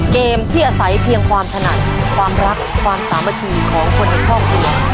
เกมที่อาศัยเพียงความถนัดความรักความสามัคคีของคนในครอบครัว